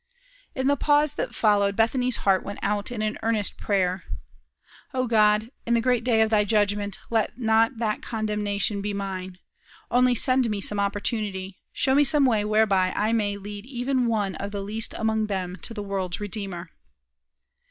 In the pause that followed, Bethany's heart went out in an earnest prayer: "O God, in the great day of thy judgment, let not that condemnation be mine. Only send me some opportunity, show me some way whereby I may lead even one of the least among them to the world's Redeemer!"